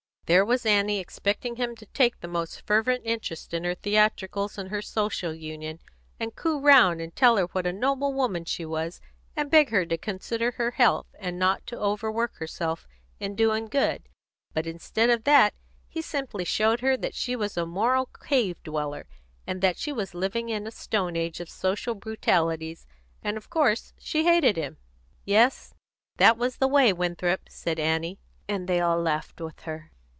There was Annie expecting him to take the most fervent interest in her theatricals, and her Social Union, and coo round, and tell her what a noble woman she was, and beg her to consider her health, and not overwork herself in doing good; but instead of that he simply showed her that she was a moral Cave Dweller, and that she was living in a Stone Age of social brutalities; and of course she hated him." "Yes, that was the way, Winthrop," said Annie; and they all laughed with her.